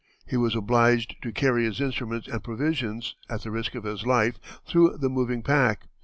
He was obliged to carry his instruments and provisions, at the risk of his life, through the moving pack.